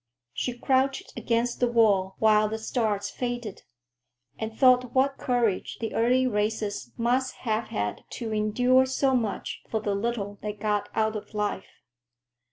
She crouched against the wall while the stars faded, and thought what courage the early races must have had to endure so much for the little they got out of life.